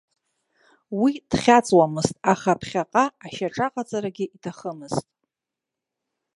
Уи дхьаҵуамызт, аха ԥхьаҟа ашьаҿаҟаҵарагьы иҭахымызт.